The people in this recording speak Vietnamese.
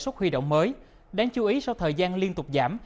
suất huy động mới đáng chú ý sau thời gian liên tục giảm